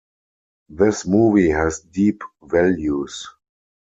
This movie has deep values.